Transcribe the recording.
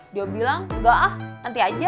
dia bilang enggak ah nanti aja